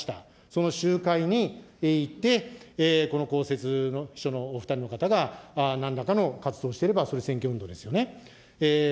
その集会に行って、この公設秘書のお２人の方がなんらかの活動をしていれば、それ、選挙運動ですよね。